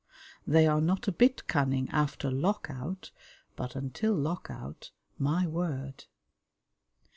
They are not a bit cunning after Lock out, but until Lock out, my word!